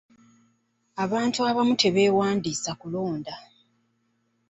Abantu abamu tebeewandiisa kulonda.